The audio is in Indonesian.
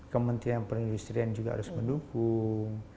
kementerian perindustrian juga harus mendukung